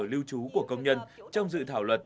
lưu trú của công nhân trong dự thảo luận